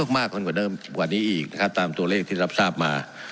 มากกว่าเดิมกว่านี้อีกนะครับตามตัวเลขที่รับทราบมา